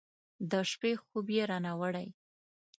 د شپې خوب یې رانه وړی